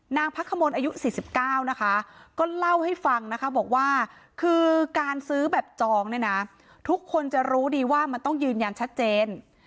นางพักขมลอายุ๔๙นะคะก็เล่าให้ฟังนะคะบอกว่าคือการซื้อแบบจองเนี่ยนะทุกคนจะรู้ดีว่ามันต้องยืนยันชัดเจน